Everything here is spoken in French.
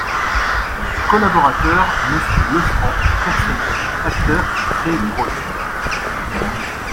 COLLABORATEUR : Monsieur LEFRANC PERSONNAGES Acteurs qui ont créé les rôles.